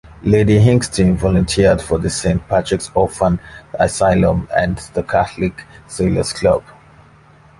Lady Hingston volunteered for the Saint Patrick's Orphan Asylum and the Catholic Sailors' Club.